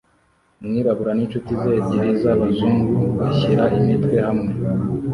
Umwirabura n'inshuti ze ebyiri z'abazungu bashyira imitwe hamwe